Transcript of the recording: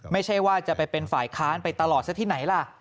ไม่ใช่ว่าจะไปเป็นฝ่ายค้านไปตลอดซะที่ไหนล่ะ